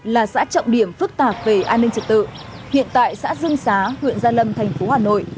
là xã trọng điểm phức tạp về an ninh trật tự hiện tại xã dương xá huyện gia lâm thành phố hà nội